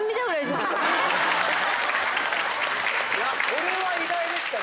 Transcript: これは意外でしたね。